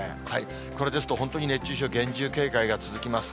これですと、本当に熱中症厳重警戒が続きます。